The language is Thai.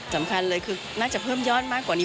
สำคัญเลยคือน่าจะเพิ่มยอดมากกว่านี้